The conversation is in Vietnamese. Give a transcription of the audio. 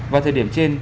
vào thời điểm trên